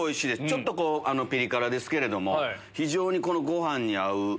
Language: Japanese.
ちょっとピリ辛ですけれども非常にご飯に合う。